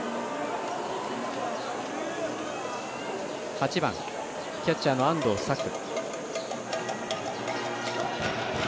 ８番、キャッチャーの安藤早駆。